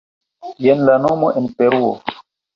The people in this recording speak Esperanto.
Jen la nomo en Peruo.